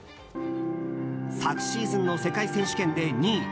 昨シーズンの世界選手権で２位。